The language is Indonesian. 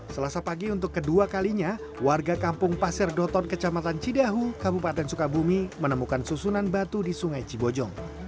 selasa pagi untuk kedua kalinya warga kampung pasir doton kecamatan cidahu kabupaten sukabumi menemukan susunan batu di sungai cibojong